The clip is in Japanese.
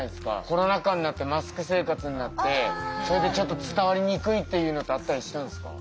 コロナ禍になってマスク生活になってそれでちょっと伝わりにくいっていうのってあったりしたんですか？